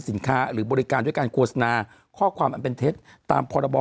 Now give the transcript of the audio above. หรือบริการด้วยการโฆษณาข้อความอันเป็นเท็จตามพรบ